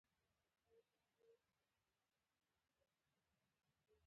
زموږ د زړه د عضلې وړتیا ډېرېږي.